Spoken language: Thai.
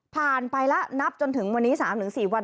ไปแล้วนับจนถึงวันนี้๓๔วัน